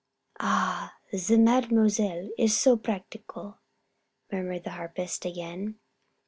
"Ah! the Mademoiselle is so practical," murmured the harpist again.